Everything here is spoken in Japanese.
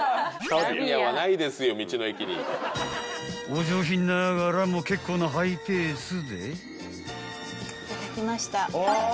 ［お上品ながらも結構なハイペースで］いただきました。